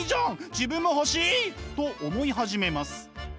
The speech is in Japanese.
自分も欲しい！」と思い始めます。